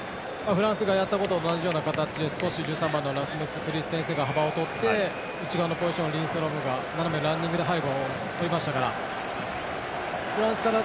フランスがやったことと同じような形で１３番のラスムス・クリステンセンが内側のポジションのリンストロムが斜めにランニングで背後をとりましたから。